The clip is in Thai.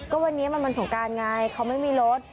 ก็วันนี้มันวันสงการไงเขาไม่มีรถ